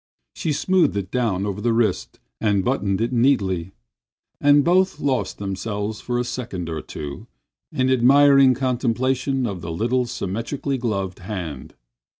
She smoothed it down over the wrist and buttoned it neatly, and both lost themselves for a second or two in admiring contemplation of the little symmetrical gloved hand.